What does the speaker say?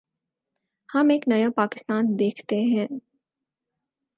ہم ایک نیا پاکستان دیکھتے ہیں۔